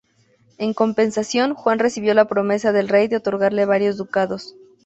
En compensación, Juan recibió la promesa del rey de otorgarle varios ducados.